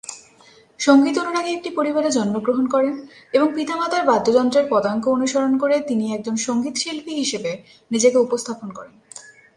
সঙ্গীত অনুরাগী একটি পরিবারে জন্মগ্রহণ করেন এবং পিতা মাতার বাদ্যযন্ত্রের পদাঙ্ক অনুসরণ করে তিনি একজন সঙ্গীতশিল্পী হিসেবে নিজেকে উপস্থাপন করেন।